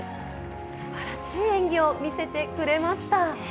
すばらしい演技を見せてくれました。